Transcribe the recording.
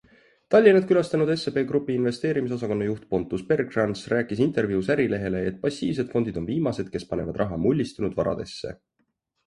Tallinnat külastanud SEB grupi investeerimisosakonna juht Pontus Bergekrans rääkis intervjuus Ärilehele, et passiivsed fondid on viimased, kes panevad raha mullistunud varadesse.